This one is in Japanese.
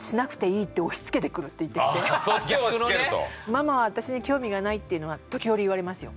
ママは私に興味がないっていうのは時折言われますよ。